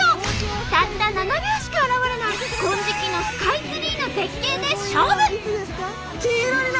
たった７秒しか現れない金色のスカイツリーの絶景で勝負。